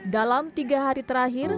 dalam tiga hari terakhir